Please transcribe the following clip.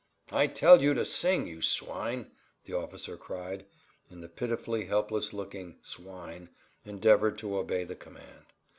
"I tell you to sing, you swine!" the officer cried, and the pitifully helpless looking "swine" endeavored to obey the command.